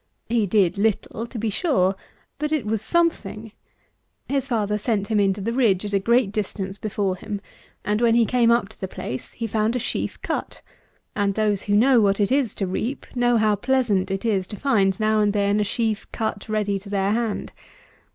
He did little, to be sure; but it was something. His father set him into the ridge at a great distance before him; and when he came up to the place, he found a sheaf cut; and, those who know what it is to reap, know how pleasant it is to find now and then a sheaf cut ready to their hand.